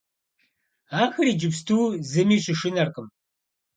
Ахэр иджыпсту зыми щышынэркъым.